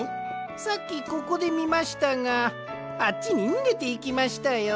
さっきここでみましたがあっちににげていきましたよ。